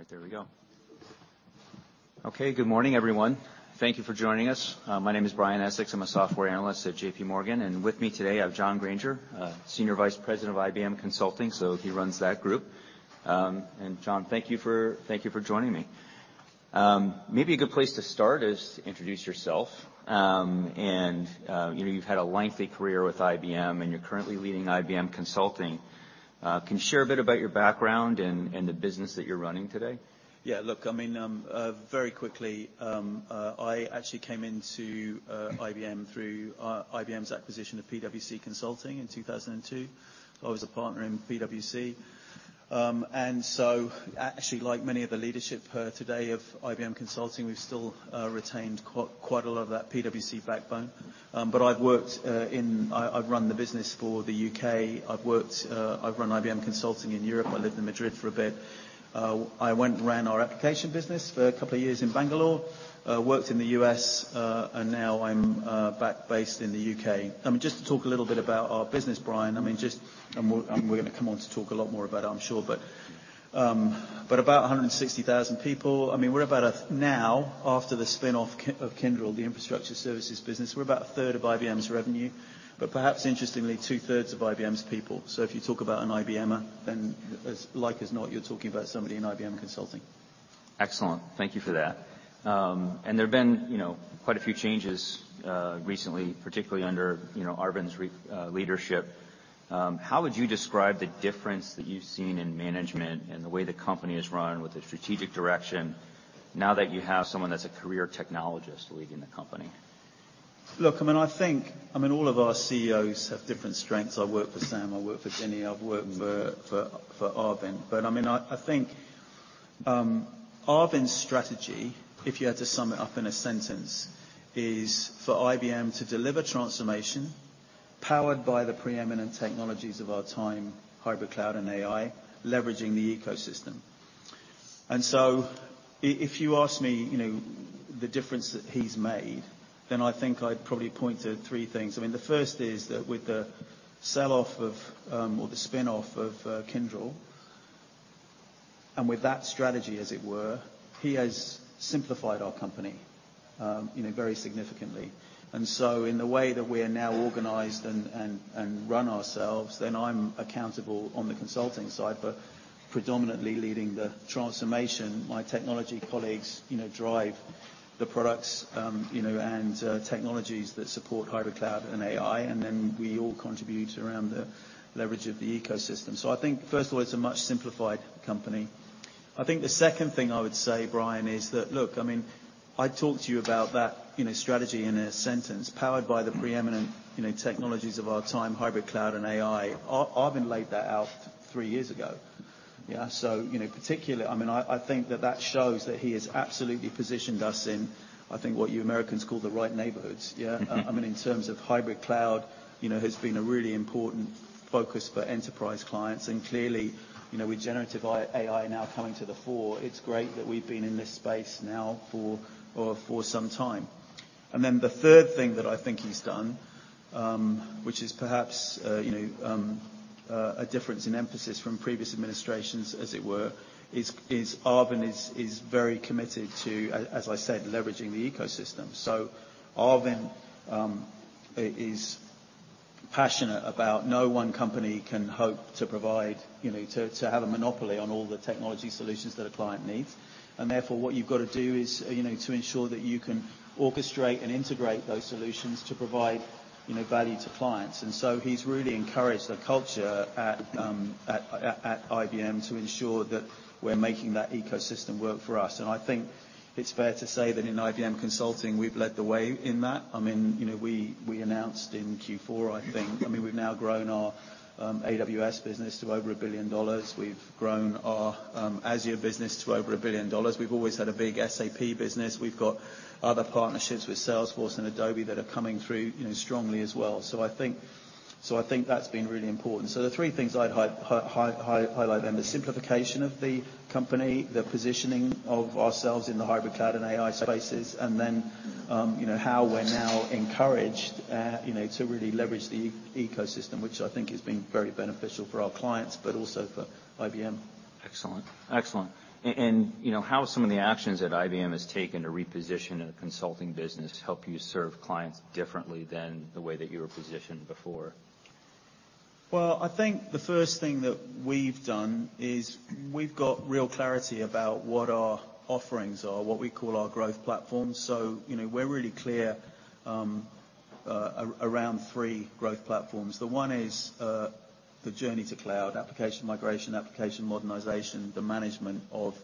All right, there we go. Good morning, everyone. Thank you for joining us. My name is Brian Essex. I'm a Software Analyst at J.P. Morgan, and with me today I have John Granger, Senior Vice President of IBM Consulting. He runs that group. John, thank you for joining me. Maybe a good place to start is to introduce yourself. You know, you've had a lengthy career with IBM, and you're currently leading IBM Consulting. Can you share a bit about your background and the business that you're running today? Yeah, look, I mean, very quickly, I actually came into IBM through IBM's acquisition of PwC Consulting in 2002. I was a partner in PwC. Actually, like many of the leadership today of IBM Consulting, we've still retained quite a lot of that PwC backbone. I've worked, I've run the business for the U.K. I've worked, I've run IBM Consulting in Europe. I lived in Madrid for a bit. I went and ran our application business for a couple of years in Bangalore. Worked in the U.S., now I'm back based in the U.K. I mean, just to talk a little bit about our business, Brian. I mean, we're gonna come on to talk a lot more about it, I'm sure. About 160,000 people. I mean, Now, after the spin off Kyndryl, the infrastructure services business, we're about a third of IBM's revenue, but perhaps interestingly, two-thirds of IBM's people. If you talk about an IBMer, then it's like as not you're talking about somebody in IBM Consulting. Excellent. Thank you for that. There have been, you know, quite a few changes, recently, particularly under, you know, Arvind's leadership. How would you describe the difference that you've seen in management and the way the company is run with the strategic direction now that you have someone that's a career technologist leading the company? Look, I mean, all of our CEOs have different strengths. I've worked for Sam, I've worked for Ginni, I've worked for Arvind. I mean, I think Arvind's strategy, if you had to sum it up in a sentence, is for IBM to deliver transformation powered by the preeminent technologies of our time, hybrid cloud and AI, leveraging the ecosystem. If you ask me, you know, the difference that he's made, then I think I'd probably point to three things. I mean, the first is that with the sell-off of, or the spin-off of, Kyndryl, and with that strategy, as it were, he has simplified our company, you know, very significantly. In the way that we are now organized and run ourselves, then I'm accountable on the consulting side for predominantly leading the transformation. My technology colleagues, you know, drive the products, you know, and technologies that support hybrid cloud and AI. We all contribute around the leverage of the ecosystem. I think first of all, it's a much simplified company. I think the second thing I would say, Brian, is that, look, I mean, I talked to you about that, you know, strategy in a sentence powered by the preeminent, you know, technologies of our time, hybrid cloud and AI. Arvind laid that out three years ago. Yeah. You know, particularly, I mean, I think that that shows that he has absolutely positioned us in, I think, what you Americans call the right neighborhoods. Yeah. I mean, in terms of hybrid cloud, you know, has been a really important focus for enterprise clients. Clearly, you know, with generative AI now coming to the fore, it's great that we've been in this space now for some time. Then the third thing that I think he's done, which is perhaps, you know, a difference in emphasis from previous administrations, as it were, is Arvind is very committed to, as I said, leveraging the ecosystem. Arvind is passionate about no one company can hope to provide, you know, to have a monopoly on all the technology solutions that a client needs. Therefore, what you've got to do is, you know, to ensure that you can orchestrate and integrate those solutions to provide, you know, value to clients. He's really encouraged a culture at IBM to ensure that we're making that ecosystem work for us. I think it's fair to say that in IBM Consulting, we've led the way in that. I mean, you know, we announced in Q4, I think. I mean, we've now grown our AWS business to over $1 billion. We've grown our Azure business to over $1 billion. We've always had a big SAP business. We've got other partnerships with Salesforce and Adobe that are coming through, you know, strongly as well. I think that's been really important. The three things I'd highlight then, the simplification of the company, the positioning of ourselves in the hybrid cloud and AI spaces, and then, you know, how we're now encouraged, you know, to really leverage the ecosystem, which I think has been very beneficial for our clients, but also for IBM. Excellent. Excellent. You know, how have some of the actions that IBM has taken to reposition the consulting business help you serve clients differently than the way that you were positioned before? Well, I think the first thing that we've done is we've got real clarity about what our offerings are, what we call our growth platforms. You know, we're really clear around three growth platforms. The one is, the journey to cloud, application migration, application modernization, the management of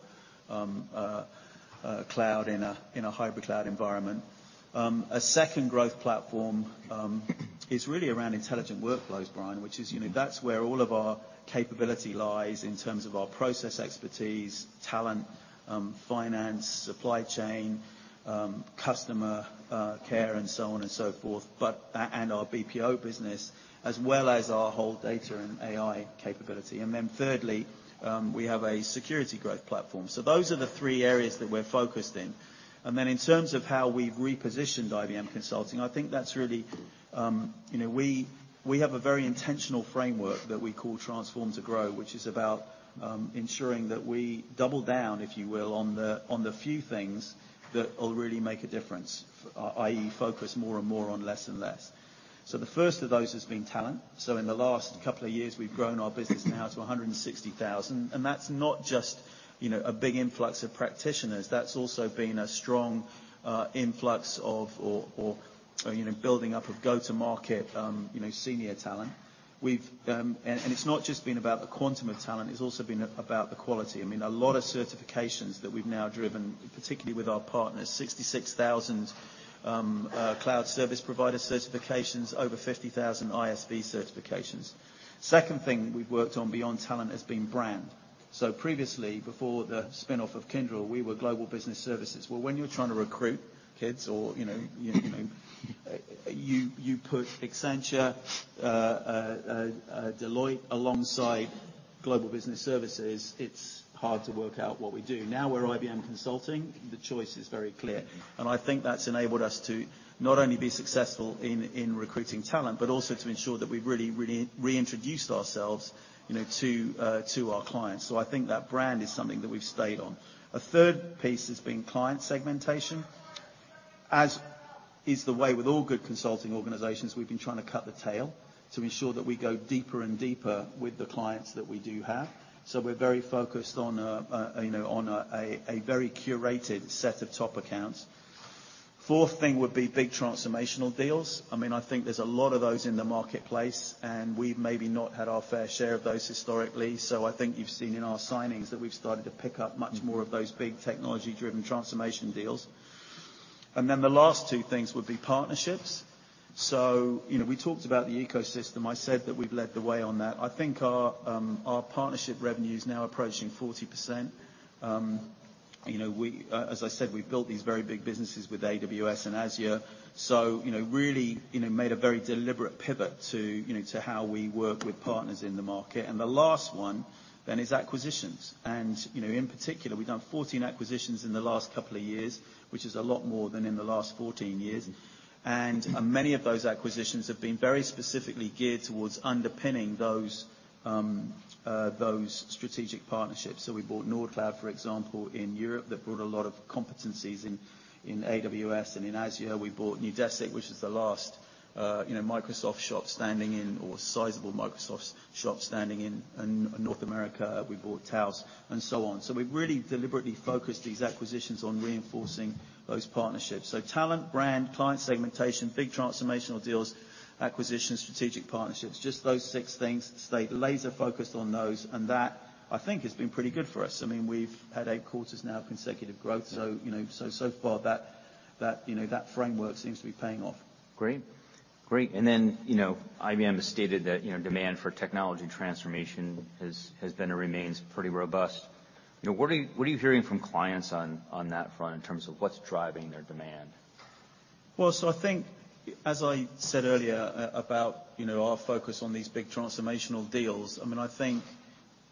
cloud in a hybrid cloud environment. A second growth platform is really around intelligent workflows, Brian, which is, you know, that's where all of our capability lies in terms of our process expertise, talent, finance, supply chain, customer care, and so on and so forth. Our BPO business, as well as our whole data and AI capability. Thirdly, we have a security growth platform. Those are the three areas that we're focused in. In terms of how we've repositioned IBM Consulting, I think that's really, you know, we have a very intentional framework that we call Transform to Grow, which is about ensuring that we double down, if you will, on the few things that will really make a difference. i.e. focus more and more on less and less. The first of those has been talent. In the last couple of years, we've grown our business now to 160,000, and that's not just, you know, a big influx of practitioners. That's also been a strong influx of, or, you know, building up of go-to-market, you know, senior talent. We've. It's not just been about the quantum of talent, it's also been about the quality. I mean, a lot of certifications that we've now driven, particularly with our partners, 66,000 cloud service provider certifications, over 50,000 ISV certifications. Second thing we've worked on beyond talent has been brand. Previously, before the spinoff of Kyndryl, we were Global Business Services. Well, when you're trying to recruit kids or, you know, you put Accenture, Deloitte alongside Global Business Services, it's hard to work out what we do. Now we're IBM Consulting, the choice is very clear. I think that's enabled us to not only be successful in recruiting talent, but also to ensure that we've really reintroduced ourselves, you know, to our clients. I think that brand is something that we've stayed on. A third piece has been client segmentation. As is the way with all good consulting organizations, we've been trying to cut the tail to ensure that we go deeper and deeper with the clients that we do have. We're very focused on, you know, on a very curated set of top accounts. Fourth thing would be big transformational deals. I mean, I think there's a lot of those in the marketplace, and we've maybe not had our fair share of those historically. I think you've seen in our signings that we've started to pick up much more of those big technology-driven transformation deals. The last two things would be partnerships. You know, we talked about the ecosystem. I said that we've led the way on that. I think our partnership revenue is now approaching 40%. You know, we, as I said, we've built these very big businesses with AWS and Azure. You know, really, you know, made a very deliberate pivot to, you know, to how we work with partners in the market. The last one then is acquisitions. You know, in particular, we've done 14 acquisitions in the last couple of years, which is a lot more than in the last 14 years. Many of those acquisitions have been very specifically geared towards underpinning those strategic partnerships. We bought Nordcloud, for example, in Europe. That brought a lot of competencies in AWS and in Azure. We bought Neudesic, which is the last, you know, Microsoft shop standing in, or sizable Microsoft shop standing in North America. We bought Taos and so on. We've really deliberately focused these acquisitions on reinforcing those partnerships. Talent, brand, client segmentation, big transformational deals, acquisitions, strategic partnerships. Just those six things. Stayed laser focused on those, and that, I think, has been pretty good for us. I mean, we've had eight quarters now of consecutive growth. You know, so far that, you know, that framework seems to be paying off. Great. Great. Then, you know, IBM has stated that, you know, demand for technology transformation has been and remains pretty robust. You know, what are you hearing from clients on that front in terms of what's driving their demand? I think, as I said earlier about, you know, our focus on these big transformational deals, I mean, I think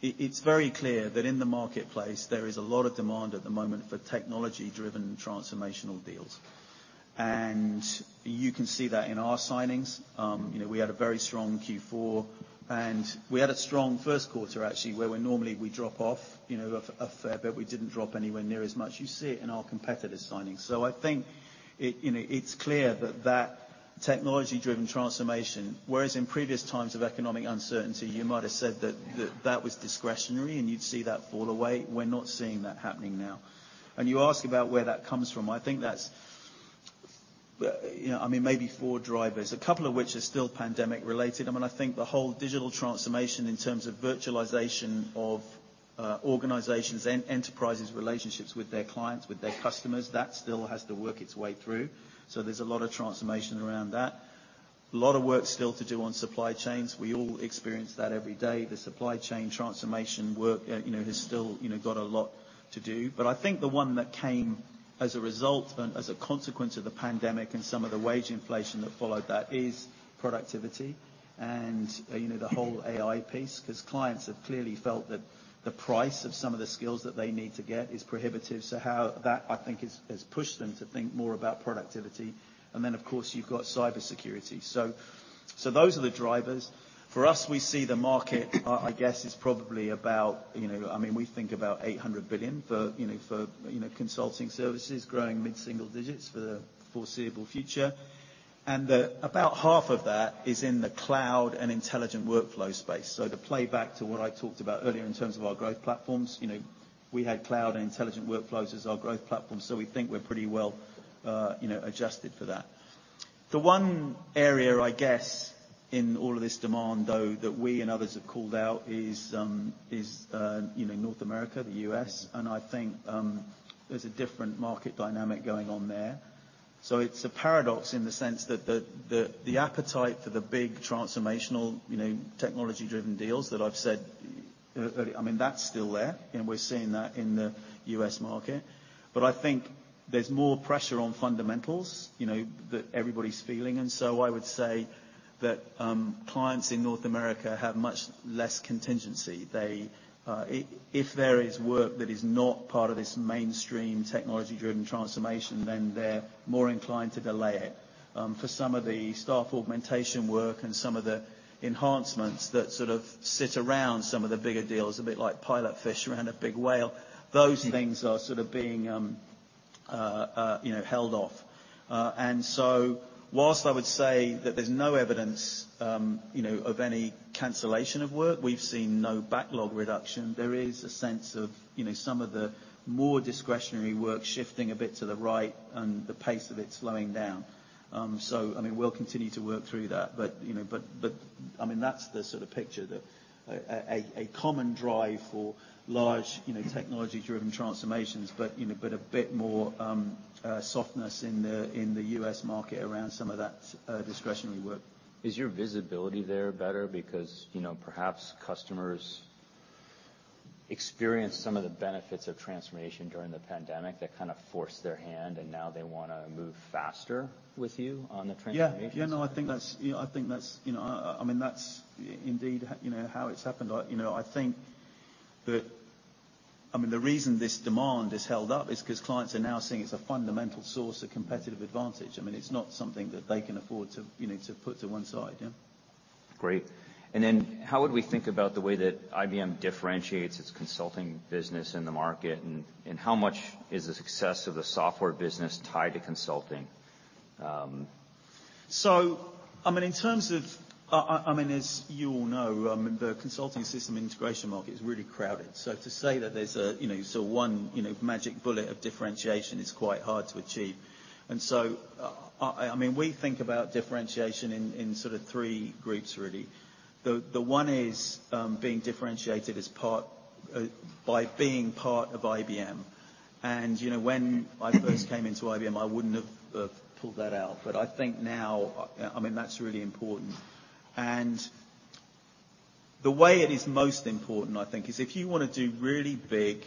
it's very clear that in the marketplace, there is a lot of demand at the moment for technology-driven transformational deals. You can see that in our signings. You know, we had a very strong Q4, we had a strong first quarter actually, where we normally drop off, you know, a fair bit. We didn't drop anywhere near as much. You see it in our competitors' signings. I think it, you know, it's clear that that technology-driven transformation, whereas in previous times of economic uncertainty, you might have said that that was discretionary, and you'd see that fall away. We're not seeing that happening now. You ask about where that comes from. I think that's, you know... I mean, maybe 4 drivers, a couple of which are still pandemic-related. I mean, I think the whole digital transformation in terms of virtualization of organizations and enterprises' relationships with their clients, with their customers, that still has to work its way through. There's a lot of transformation around that. A lot of work still to do on supply chains. We all experience that every day. The supply chain transformation work, you know, has still, you know, got a lot to do. I think the one that came as a result and as a consequence of the pandemic and some of the wage inflation that followed that is productivity and, you know, the whole AI piece. 'Cause clients have clearly felt that the price of some of the skills that they need to get is prohibitive. How... That, I think has pushed them to think more about productivity. Then, of course, you've got cybersecurity. Those are the drivers. For us, we see the market, I guess, is probably about, you know, I mean, we think about $800 billion for, you know, for, you know, consulting services growing mid-single digits for the foreseeable future. About half of that is in the cloud and intelligent workflow space. To play back to what I talked about earlier in terms of our growth platforms, you know, we had cloud and intelligent workflows as our growth platform. We think we're pretty well, you know, adjusted for that. The one area, I guess, in all of this demand, though, that we and others have called out is, you know, North America, the US, and I think there's a different market dynamic going on there. It's a paradox in the sense that the appetite for the big transformational, you know, technology-driven deals that I've said earlier, I mean, that's still there and we're seeing that in the U.S. market. I think there's more pressure on fundamentals, you know, that everybody's feeling. I would say that clients in North America have much less contingency. They, if there is work that is not part of this mainstream technology-driven transformation, then they're more inclined to delay it. For some of the staff augmentation work and some of the enhancements that sort of sit around some of the bigger deals, a bit like pilot fish around a big whale, those things are sort of being, you know, held off. Whilst I would say that there's no evidence, you know, of any cancellation of work, we've seen no backlog reduction. There is a sense of, you know, some of the more discretionary work shifting a bit to the right and the pace of it slowing down. I mean, we'll continue to work through that, but, you know, I mean, that's the sort of picture that a common drive for large, you know, technology-driven transformations, but, you know, a bit more softness in the U.S. market around some of that, discretionary work. Is your visibility there better because, you know, perhaps customers experienced some of the benefits of transformation during the pandemic that kind of forced their hand, and now they wanna move faster with you on the transformation side? Yeah. No, I think that's, you know, I think that's, you know, I mean, that's indeed, you know, how it's happened. I, you know, I think that, I mean, the reason this demand has held up is 'cause clients are now seeing it's a fundamental source of competitive advantage. I mean, it's not something that they can afford to, you know, to put to one side, yeah. Great. Then how would we think about the way that IBM differentiates its consulting business in the market and how much is the success of the software business tied to consulting? I mean, in terms of, I mean, as you all know, the consulting system integration market is really crowded. To say that there's a, you know, sort of one, you know, magic bullet of differentiation is quite hard to achieve. I mean, we think about differentiation in sort of three groups really. The one is being differentiated as part by being part of IBM. You know, when I first came into IBM, I wouldn't have pulled that out. I think now, I mean, that's really important. The way it is most important, I think, is if you wanna do really big,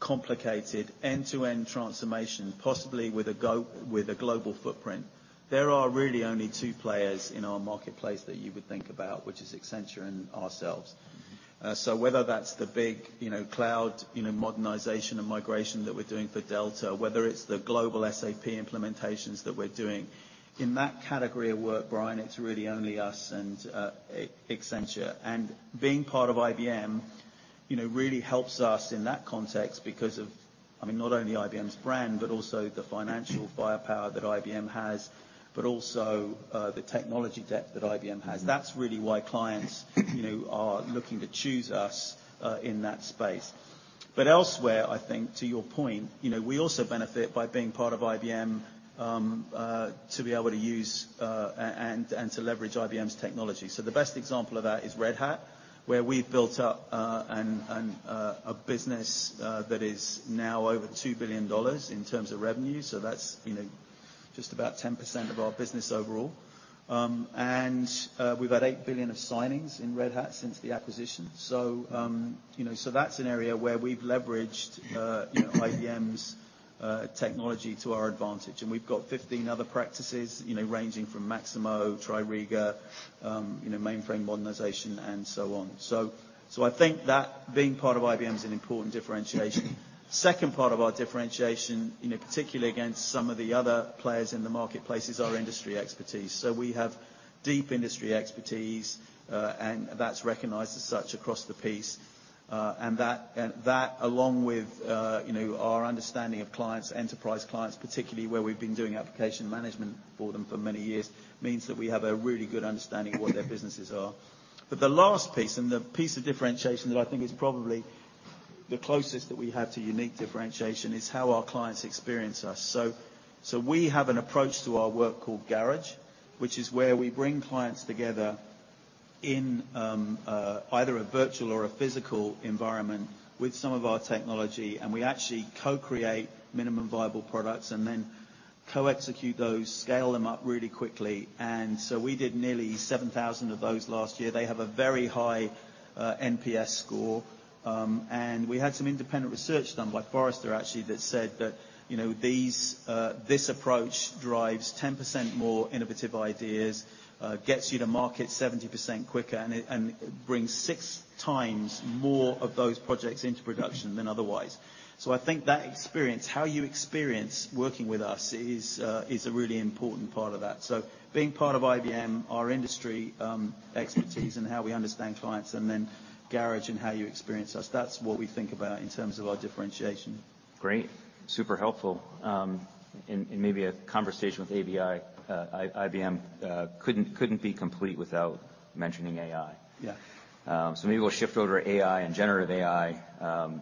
complicated end-to-end transformation, possibly with a global footprint, there are really only two players in our marketplace that you would think about, which is Accenture and ourselves. Whether that's the big, you know, cloud, you know, modernization and migration that we're doing for Delta, whether it's the global SAP implementations that we're doing, in that category of work, Brian, it's really only us and Accenture. Being part of IBM, you know, really helps us in that context because of, I mean, not only IBM's brand, but also the financial buyer power that IBM has, but also the technology debt that IBM has. That's really why clients, you know, are looking to choose us in that space. Elsewhere, I think to your point, you know, we also benefit by being part of IBM, to be able to use and to leverage IBM's technology. The best example of that is Red Hat, where we've built up a business that is now over $2 billion in terms of revenue, so that's, you know, just about 10% of our business overall. We've had $8 billion of signings in Red Hat since the acquisition. that's an area where we've leveraged, you know, IBM's technology to our advantage. We've got 15 other practices, you know, ranging from Maximo, TRIRIGA, mainframe modernization and so on. I think that being part of IBM is an important differentiation. Second part of our differentiation, you know, particularly against some of the other players in the marketplace, is our industry expertise. We have deep industry expertise, and that's recognized as such across the piece. That along with, you know, our understanding of clients, enterprise clients, particularly where we've been doing application management for them for many years, means that we have a really good understanding of what their businesses are. The last piece, and the piece of differentiation that I think is probably the closest that we have to unique differentiation, is how our clients experience us. We have an approach to our work called IBM Garage, which is where we bring clients together in either a virtual or a physical environment with some of our technology, and we actually co-create Minimum Viable Products and then co-execute those, scale them up really quickly. We did nearly 7,000 of those last year. They have a very high NPS score. We had some independent research done by Forrester actually that said that, you know, these, this approach drives 10% more innovative ideas, gets you to market 70% quicker, and it brings 6 times more of those projects into production than otherwise. I think that experience, how you experience working with us is a really important part of that. Being part of IBM, our industry, expertise and how we understand clients, and then Garage and how you experience us, that's what we think about in terms of our differentiation. Great. Super helpful. Maybe a conversation with IBM couldn't be complete without mentioning AI. Yeah. Maybe we'll shift over to AI and generative AI.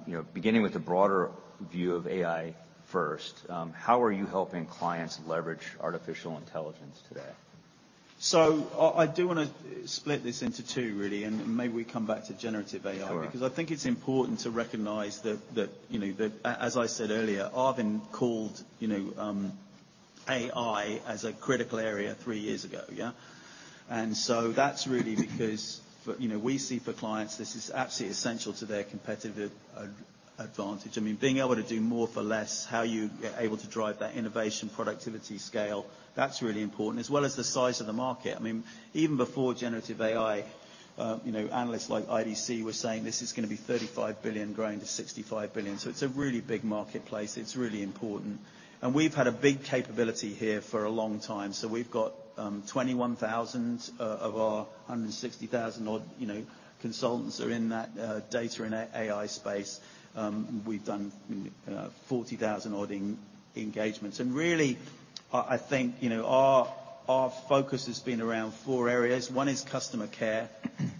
You know, beginning with the broader view of AI first, how are you helping clients leverage artificial intelligence today? I do wanna split this into two really, and maybe we come back to generative AI. Sure. Because I think it's important to recognize that, you know, as I said earlier, Arvind called, you know, AI as a critical area three years ago, yeah? That's really because, you know, we see for clients this is absolutely essential to their competitive advantage. I mean, being able to do more for less, how you are able to drive that innovation, productivity scale, that's really important, as well as the size of the market. I mean, even before generative AI, you know, analysts like IDC were saying this is gonna be $35 billion growing to $65 billion. It's a really big marketplace. It's really important. We've had a big capability here for a long time. We've got, 21,000 of our 160,000 odd, you know, consultants are in that data and AI space. We've done 40,000 odd engagements. Really, I think, you know, our focus has been around four areas. One is customer care.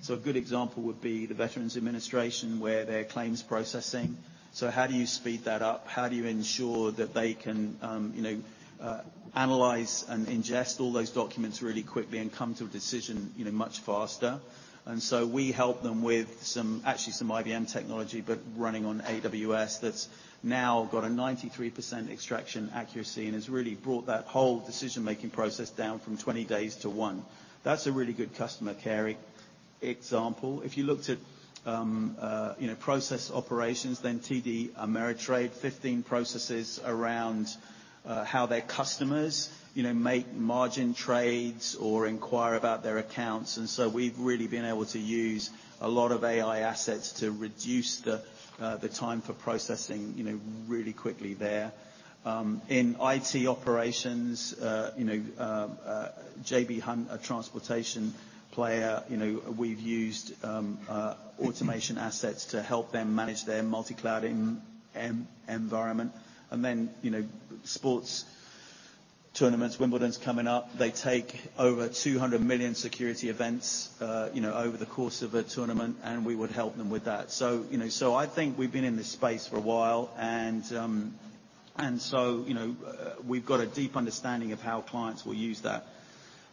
A good example would be the Veterans Administration, where their claims processing. How do you speed that up? How do you ensure that they can, you know, analyze and ingest all those documents really quickly and come to a decision, you know, much faster? We help them with some, actually some IBM technology, but running on AWS that's now got a 93% extraction accuracy and has really brought that whole decision-making process down from 20 days to one. That's a really good customer care example. If you looked at, you know, process operations, TD Ameritrade, 15 processes around how their customers, you know, make margin trades or inquire about their accounts. We've really been able to use a lot of AI assets to reduce the time for processing, you know, really quickly there. In IT operations, J.B. Hunt, a transportation player, you know, we've used automation assets to help them manage their multi-cloud environment. You know, sports tournaments, Wimbledon's coming up. They take over 200 million security events, you know, over the course of a tournament, and we would help them with that. You know, I think we've been in this space for a while, and, you know, we've got a deep understanding of how clients will use that.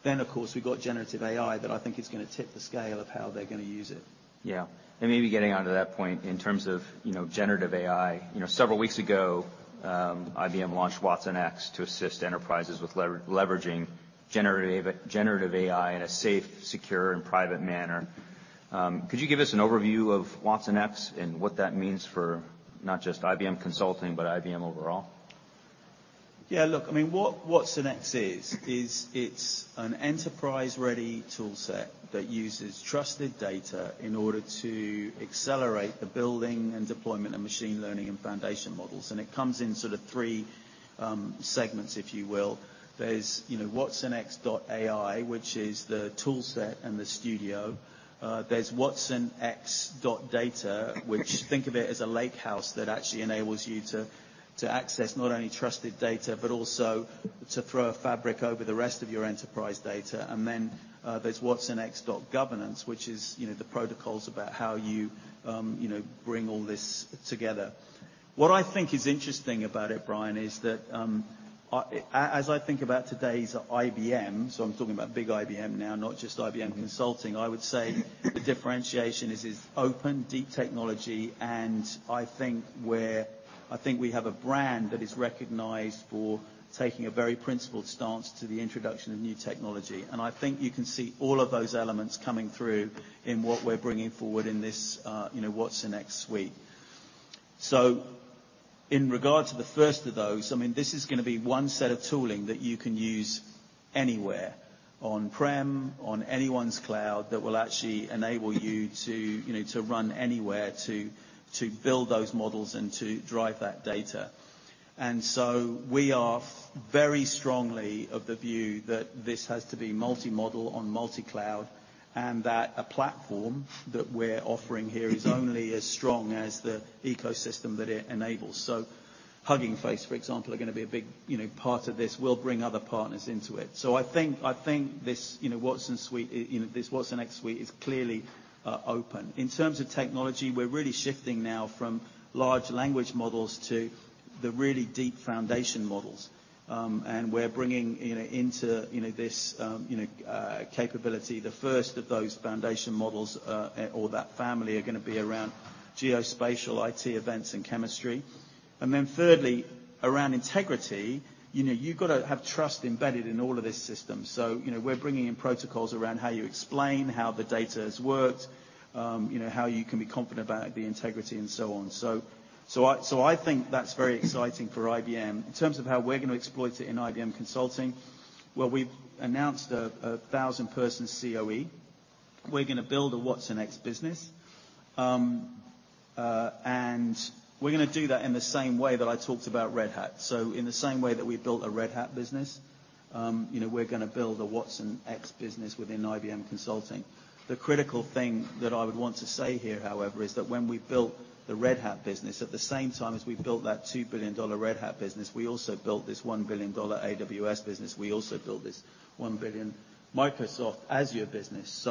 Of course, we've got generative AI that I think is gonna tip the scale of how they're gonna use it. Yeah. maybe getting onto that point in terms of, you know, generative AI. You know, several weeks ago, IBM launched watsonx to assist enterprises with leveraging generative AI in a safe, secure, and private manner. Could you give us an overview of watsonx and what that means for not just IBM Consulting, but IBM overall? Yeah, look, I mean, what watsonx is it's an enterprise-ready tool set that uses trusted data in order to accelerate the building and deployment of machine learning and foundation models. It comes in sort of three segments, if you will. There's, you know, watsonx.ai, which is the tool set and the studio. There's watsonx.data, which think of it as a lakehouse that actually enables you to access not only trusted data, but also to throw a fabric over the rest of your enterprise data. There's watsonx.governance, which is, you know, the protocols about how you know, bring all this together. What I think is interesting about it, Brian, is that, as I think about today's IBM, so I'm talking about big IBM now, not just IBM Consulting, I would say the differentiation is it's open, deep technology, and I think we have a brand that is recognized for taking a very principled stance to the introduction of new technology. I think you can see all of those elements coming through in what we're bringing forward in this, you know, watsonx suite. In regard to the first of those, I mean, this is gonna be one set of tooling that you can use anywhere, on-prem, on anyone's cloud, that will actually enable you to, you know, to run anywhere to build those models and to drive that data. We are very strongly of the view that this has to be multi-model on multi-cloud, and that a platform that we're offering here is only as strong as the ecosystem that it enables. Hugging Face, for example, are gonna be a big, you know, part of this. We'll bring other partners into it. I think this, you know, watsonx suite, you know, this watsonx suite is clearly open. In terms of technology, we're really shifting now from large language models to the really deep foundation models. We're bringing, you know, into, you know, this, you know, capability, the first of those foundation models, or that family are gonna be around geospatial, IT events, and chemistry. Thirdly, around integrity, you know, you've gotta have trust embedded in all of this system. You know, we're bringing in protocols around how you explain how the data has worked, you know, how you can be confident about the integrity and so on. I think that's very exciting for IBM. In terms of how we're gonna exploit it in IBM Consulting, well, we've announced a 1,000-person COE. We're gonna build a watsonx business. We're gonna do that in the same way that I talked about Red Hat. In the same way that we built a Red Hat business, you know, we're gonna build a watsonx business within IBM Consulting. The critical thing that I would want to say here, however, is that when we built the Red Hat business, at the same time as we built that $2 billion Red Hat business, we also built this $1 billion AWS business. We also built this $1 billion Microsoft Azure business.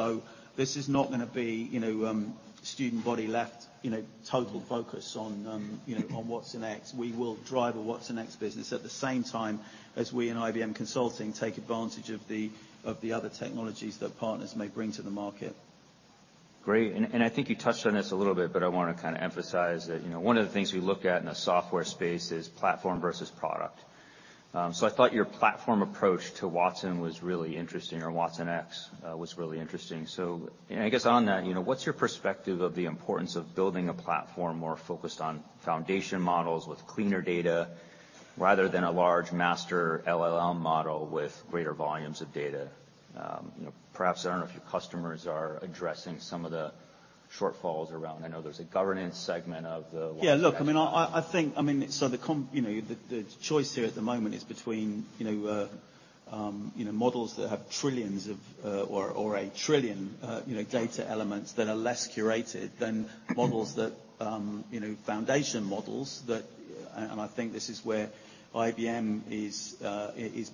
This is not gonna be, you know, student body left, you know, total focus on, you know, on watsonx. We will drive a watsonx business at the same time as we in IBM Consulting take advantage of the, of the other technologies that partners may bring to the market. Great. I think you touched on this a little bit, but I wanna kinda emphasize that, you know, one of the things we look at in a software space is platform versus product. I thought your platform approach to Watson was really interesting, or watsonx, was really interesting. I guess on that, you know, what's your perspective of the importance of building a platform more focused on foundation models with cleaner data rather than a large master LLM model with greater volumes of data? You know, perhaps, I don't know if your customers are addressing some of the shortfalls around, I know there's a governance segment of the- Yeah, look, I mean, I think, I mean, you know, the choice here at the moment is between, you know, models that have trillions of, or 1 trillion, you know, data elements that are less curated than models that, you know, foundation models that, I think this is where IBM is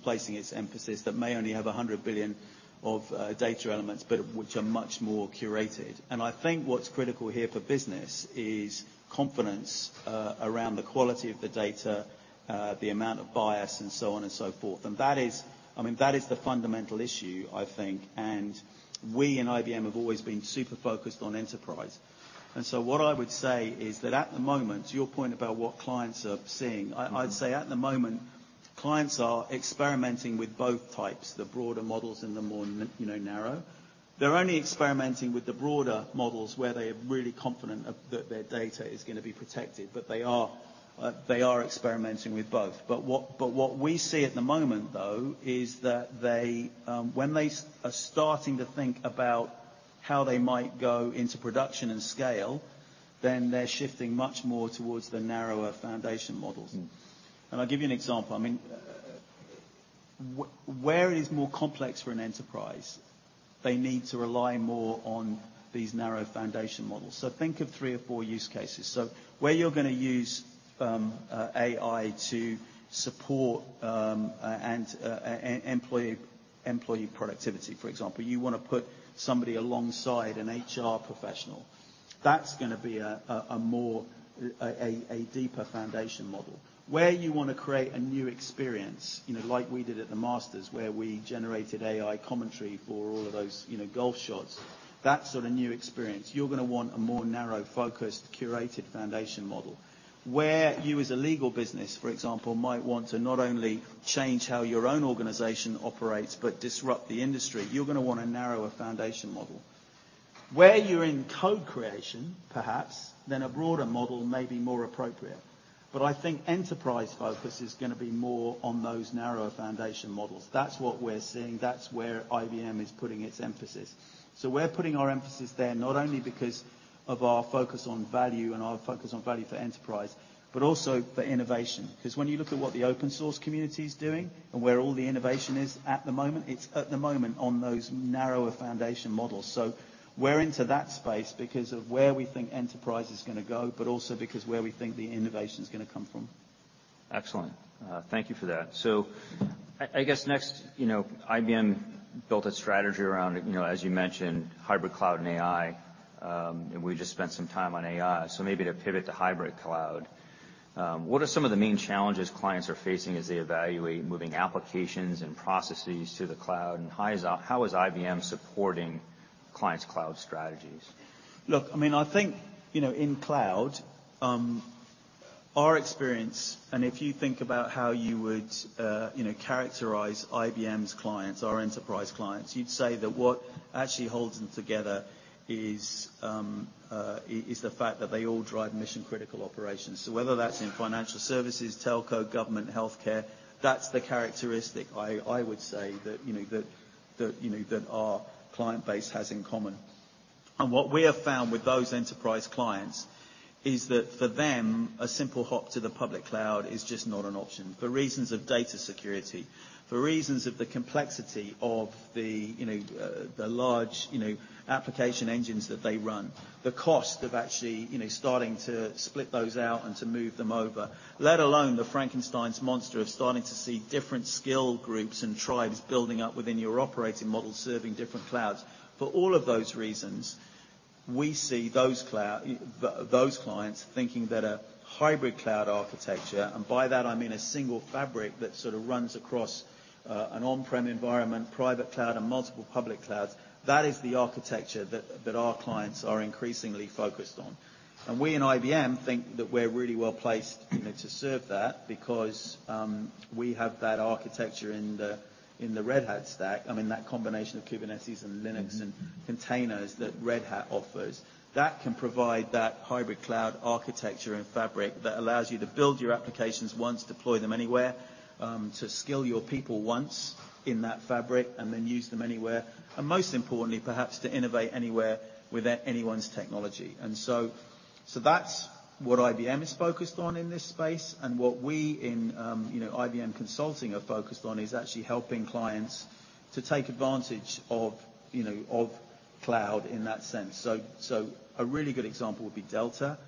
placing its emphasis, that may only have 100 billion of data elements, but which are much more curated. I think what's critical here for business is confidence around the quality of the data, the amount of bias and so on and so forth. That is... I mean, that is the fundamental issue, I think. We in IBM have always been super focused on enterprise. What I would say is that at the moment, to your point about what clients are seeing, I'd say at the moment, clients are experimenting with both types, the broader models and the more you know, narrow. They're only experimenting with the broader models where they're really confident of that their data is gonna be protected, but they are experimenting with both. What we see at the moment though, is that they, when they are starting to think about how they might go into production and scale, then they're shifting much more towards the narrower foundation models. Mm. I'll give you an example. I mean, where it is more complex for an enterprise, they need to rely more on these narrow foundation models. Think of three or four use cases. Where you're gonna use AI to support employee productivity, for example. You wanna put somebody alongside an HR professional. That's gonna be a more a deeper foundation model. Where you wanna create a new experience, you know, like we did at the Masters, where we generated AI commentary for all of those, you know, golf shots. That sort of new experience, you're gonna want a more narrow, focused, curated foundation model. Where you as a legal business, for example, might want to not only change how your own organization operates, but disrupt the industry, you're gonna want a narrower foundation model. Where you're in co-creation, perhaps, then a broader model may be more appropriate. I think enterprise focus is gonna be more on those narrower foundation models. That's what we're seeing. That's where IBM is putting its emphasis. We're putting our emphasis there not only because of our focus on value and our focus on value for enterprise, but also for innovation. 'Cause when you look at what the open source community's doing and where all the innovation is at the moment, it's at the moment on those narrower foundation models. We're into that space because of where we think enterprise is gonna go, but also because where we think the innovation's gonna come from. Excellent. Thank you for that. I guess next, you know, IBM built its strategy around, you know, as you mentioned, hybrid cloud and AI, and we just spent some time on AI, so maybe to pivot to hybrid cloud. What are some of the main challenges clients are facing as they evaluate moving applications and processes to the cloud, and how is IBM supporting clients' cloud strategies? Look, I mean, I think, you know, in cloud, our experience, and if you think about how you would, you know, characterize IBM's clients, our enterprise clients, you'd say that what actually holds them together is the fact that they all drive mission-critical operations. Whether that's in financial services, telco, government, healthcare, that's the characteristic I would say that, you know, that, you know, that our client base has in common. What we have found with those enterprise clients is that for them, a simple hop to the public cloud is just not an option, for reasons of data security, for reasons of the complexity of the, you know, the large, you know, application engines that they run. The cost of actually, you know, starting to split those out and to move them over. Let alone the Frankenstein's monster of starting to see different skill groups and tribes building up within your operating model serving different clouds. For all of those reasons, we see those clients thinking that a hybrid cloud architecture, and by that I mean a single fabric that sort of runs across an on-prem environment, private cloud, and multiple public clouds, that is the architecture that our clients are increasingly focused on. We in IBM think that we're really well placed, you know, to serve that because we have that architecture in the, in the Red Hat stack. I mean, that combination of Kubernetes and Linux and containers that Red Hat offers. That can provide that hybrid cloud architecture and fabric that allows you to build your applications once, deploy them anywhere, to skill your people once in that fabric, and then use them anywhere. Most importantly, perhaps to innovate anywhere with anyone's technology. That's what IBM is focused on in this space. What we in, you know, IBM Consulting are focused on, is actually helping clients to take advantage of, you know, of cloud in that sense. A really good example would be Delta,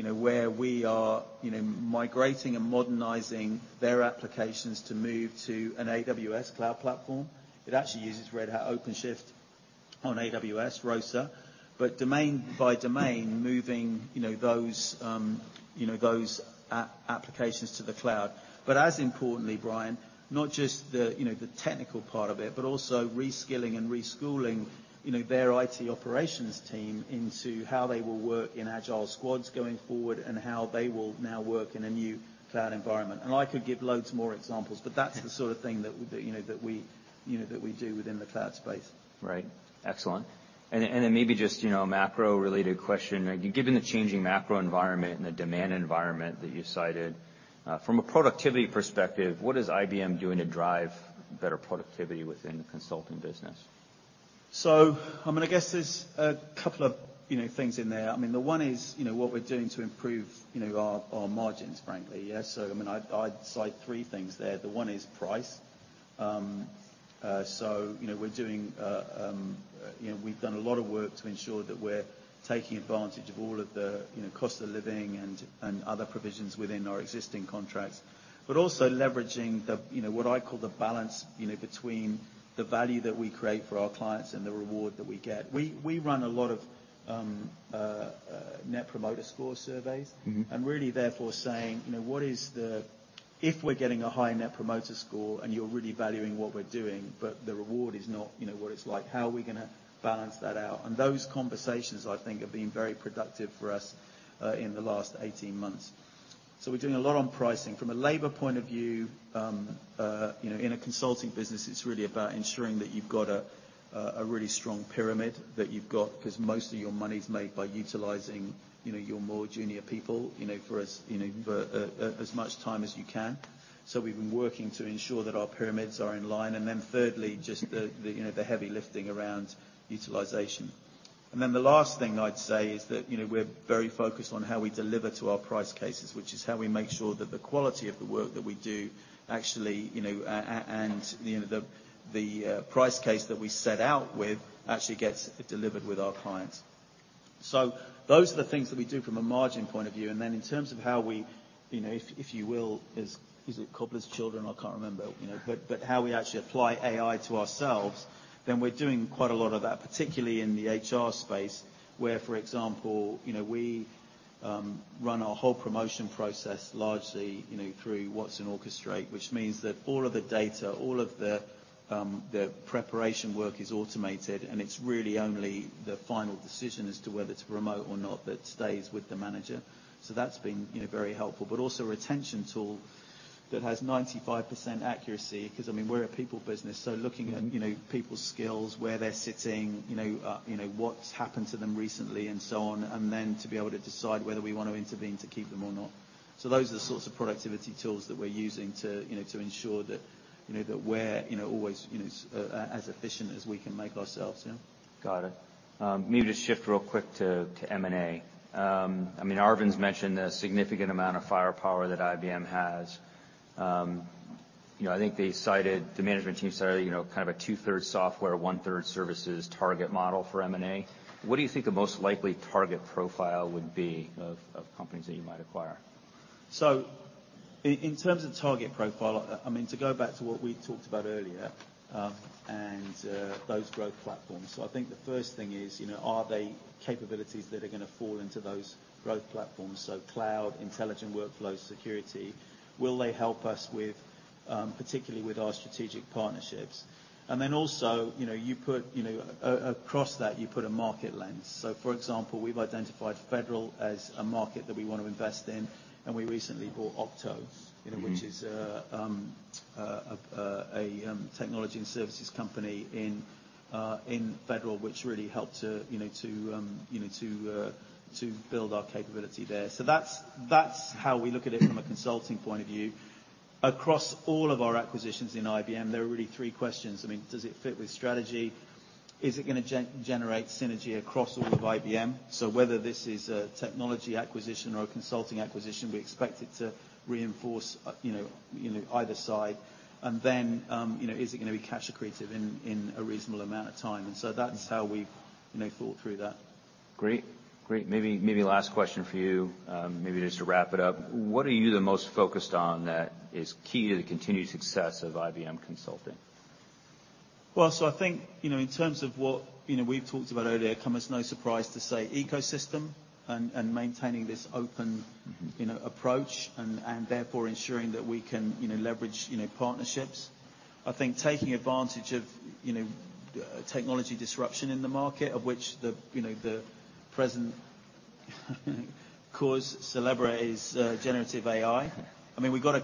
you know, where we are, you know, migrating and modernizing their applications to move to an AWS cloud platform. It actually uses Red Hat OpenShift on AWS ROSA. Domain by domain, moving, you know, those, you know, those applications to the cloud. As importantly, Brian, not just the, you know, the technical part of it, but also reskilling and reschooling, you know, their IT operations team into how they will work in Agile squads going forward and how they will now work in a new cloud environment. I could give loads more examples, but that's the sort of thing that, you know, that we, you know, that we do within the cloud space. Right. Excellent. Maybe just, you know, a macro-related question? Given the changing macro environment and the demand environment that you cited, from a productivity perspective, what is IBM doing to drive better productivity within the consulting business? I mean, I guess there's a couple of, you know, things in there. I mean, the one is, you know, what we're doing to improve, you know, our margins, frankly. Yeah. I mean, I'd cite three things there. The one is price. so you know, we're doing, you know, we've done a lot of work to ensure that we're taking advantage of all of the, you know, cost of living and other provisions within our existing contracts. Also leveraging the, you know, what I call the balance, you know, between the value that we create for our clients and the reward that we get. We run a lot of Net Promoter Score surveys. Mm-hmm. Really therefore saying, if we're getting a high Net Promoter Score, and you're really valuing what we're doing, but the reward is not, you know, what it's like, how are we gonna balance that out? Those conversations, I think, have been very productive for us in the last 18 months. We're doing a lot on pricing. From a labor point of view, in a consulting business, it's really about ensuring that you've got a really strong pyramid that you've got, 'cause most of your money's made by utilizing your more junior people for as much time as you can. We've been working to ensure that our pyramids are in line. Thirdly, just the heavy lifting around utilization. The last thing I'd say is that, you know, we're very focused on how we deliver to our price cases, which is how we make sure that the quality of the work that we do actually, you know, and the price case that we set out with actually gets delivered with our clients. Those are the things that we do from a margin point of view. In terms of how we, you know, if you will, is it cobbler's children? I can't remember, you know. How we actually apply AI to ourselves, then we're doing quite a lot of that, particularly in the HR space, where, for example, you know, we run our whole promotion process largely, you know, through watsonx Orchestrate. Which means that all of the data, all of the preparation work is automated, and it's really only the final decision as to whether to promote or not that stays with the manager. That's been, you know, very helpful. Also a retention tool that has 95% accuracy, 'cause, I mean, we're a people business. Mm-hmm... you know, people's skills, where they're sitting, you know, you know, what's happened to them recently and so on. Then to be able to decide whether we want to intervene to keep them or not. Those are the sorts of productivity tools that we're using to, you know, to ensure that, you know, that we're, you know, always, you know, as efficient as we can make ourselves. Yeah. Got it. maybe to shift real quick to M&A. I mean, Arvind's mentioned the significant amount of firepower that IBM has. you know, I think they cited, the management team cited, you know, kind of a 2/3 software, 1/3 services target model for M&A. What do you think the most likely target profile would be of companies that you might acquire? In terms of target profile, I mean, to go back to what we talked about earlier, and those growth platforms. I think the first thing is, you know, are they capabilities that are gonna fall into those growth platforms? Cloud, intelligent workflow, security. Will they help us with particularly with our strategic partnerships? Then also, you know, you put, you know, across that, you put a market lens. For example, we've identified federal as a market that we want to invest in, and we recently bought Okta. Mm-hmm... you know, which is a technology and services company in federal, which really helped to, you know, to build our capability there. That's how we look at it from a consulting point of view. Across all of our acquisitions in IBM, there are really three questions. I mean, does it fit with strategy? Is it gonna generate synergy across all of IBM? Whether this is a technology acquisition or a consulting acquisition, we expect it to reinforce, you know, either side. Then, you know, is it gonna be cash accretive in a reasonable amount of time? That's how we've, you know, thought through that. Great. Maybe last question for you, maybe just to wrap it up. What are you the most focused on that is key to the continued success of IBM Consulting? Well, I think, you know, in terms of what, you know, we've talked about earlier, come as no surprise to say ecosystem and maintaining this open- Mm-hmm... you know, approach and therefore ensuring that we can, you know, leverage, you know, partnerships. I think taking advantage of, you know, technology disruption in the market, of which the, you know, the present cause célèbre is generative AI. I mean, we've gotta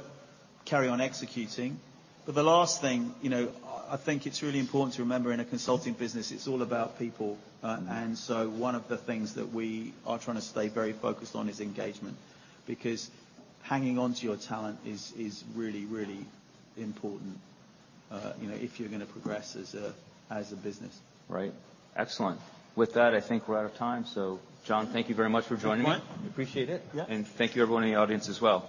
carry on executing. The last thing, you know, I think it's really important to remember in a consulting business, it's all about people. One of the things that we are trying to stay very focused on is engagement. Because hanging on to your talent is really, really important, you know, if you're gonna progress as a business. Right. Excellent. With that, I think we're out of time. John, thank you very much for joining me. No problem. Appreciate it. Yeah. Thank you everyone in the audience as well.